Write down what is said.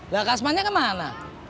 lah kasmannya kemana